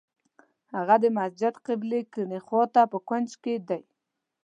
هغه د مسجد قبلې کیڼې خوا ته په کونج کې دی.